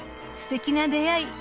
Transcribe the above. すてきな出会い